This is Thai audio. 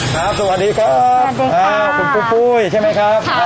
ครับสวัสดีครับสวัสดีค่ะคุณปุ๊บปุ้ยใช่ไหมครับค่ะ